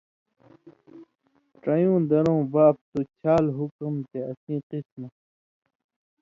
ڇیؤں درؤں (باب) تُھو چھال حُکُم تے اسیں قِسمہ